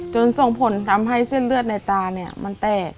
ส่งผลทำให้เส้นเลือดในตาเนี่ยมันแตก